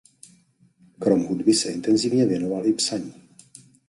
Krom hudby se intenzívně věnoval i psaní.